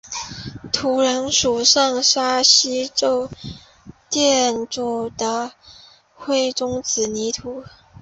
土壤属上沙溪庙组的灰棕紫泥土。